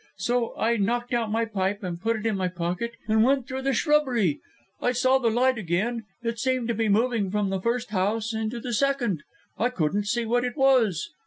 So I knocked out my pipe and put it in my pocket, and went through the shrubbery. I saw the light again it seemed to be moving from the first house into the second. I couldn't see what it was."